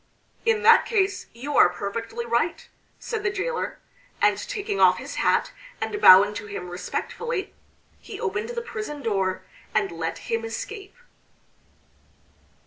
"In that case you are perfectly right," said the jailor; and taking off his hat and bowing to him respectfully he opened the prison door and let him escape.